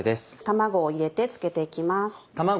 卵を入れて漬けて行きます。